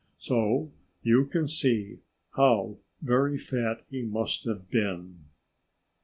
So you can see how very fat he must have been.